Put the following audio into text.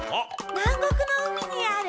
南国の海にある。